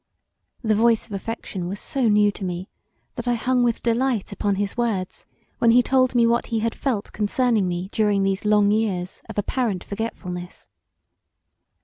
The voice of affection was so new to me that I hung with delight upon his words when he told me what he had felt concerning me during these long years of apparent forgetfulness.